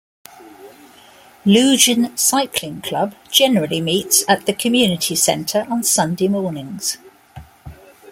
Ludgvan Cycling Club generally meets at the Community Centre on Sunday mornings.